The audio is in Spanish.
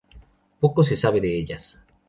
Poco se sabe de ellas.